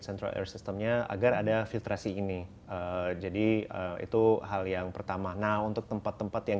central air systemnya agar ada filtrasi ini jadi itu hal yang pertama nah untuk tempat tempat yang